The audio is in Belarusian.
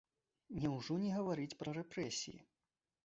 Няўжо не гаварыць пра рэпрэсіі?